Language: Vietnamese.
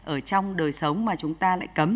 ở trong đời sống mà chúng ta lại cấm